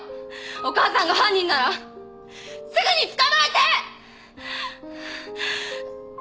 お母さんが犯人ならすぐに捕まえて！